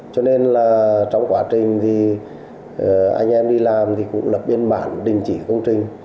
cho nên là trong quá trình thì anh em đi làm thì cũng lập biên bản đình chỉ công trình